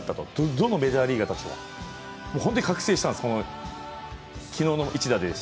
どのメジャーリーガーたちも、本当に覚醒したんです、昨日の一打で。